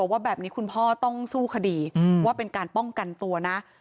ว่าแบบนี้คุณพ่อต้องสู้คดีว่าเป็นการป้องกันตัวนะ